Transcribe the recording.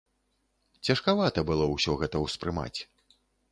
Цяжкавата было ўсё гэта ўспрымаць.